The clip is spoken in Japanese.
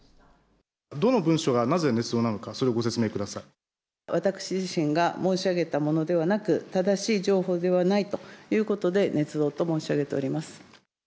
どの文書が、なぜねつ造なの私自身が申し上げたものではなく、正しい情報ではないということで、ねつ造と申し上げております。